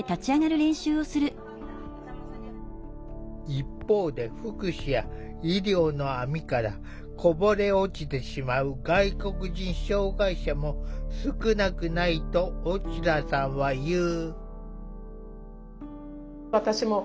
一方で福祉や医療の網からこぼれ落ちてしまう外国人障害者も少なくないとオチラさんは言う。